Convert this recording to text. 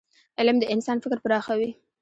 علم د انسان فکر پراخوي.